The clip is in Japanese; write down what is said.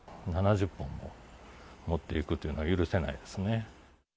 ７０本も持っていくというのは許せないですね。